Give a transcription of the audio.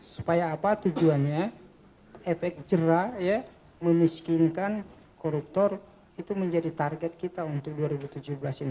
supaya apa tujuannya efek jerah memiskinkan koruptor itu menjadi target kita untuk dua ribu tujuh belas ini